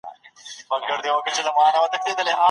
د فقهاوو تر منځ کوم اختلافات موجود دي؟